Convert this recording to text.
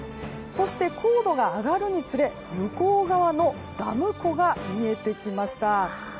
そして、高度が上がるにつれ向こう側のダム湖が見えてきました。